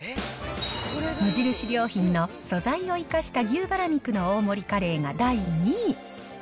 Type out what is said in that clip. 無印良品の素材を生かした牛ばら肉の大盛りカレーが第２位。